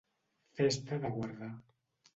Festa de guardar.